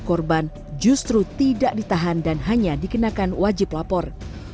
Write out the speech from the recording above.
korban justru tidak ditahan dan hanya dikenakan wajib lapor